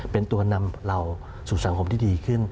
เป็นตัวนำเราสู่สังคมที่ดีขึ้น